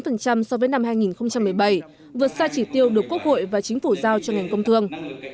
so với năm hai nghìn một mươi bảy vượt xa chỉ tiêu được quốc hội và chính phủ giao cho ngành công thương